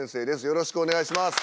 よろしくお願いします。